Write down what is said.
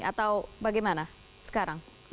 atau bagaimana sekarang